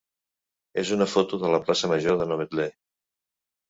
és una foto de la plaça major de Novetlè.